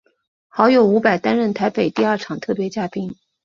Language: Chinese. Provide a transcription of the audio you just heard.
好友伍佰担任台北第二场特别嘉宾。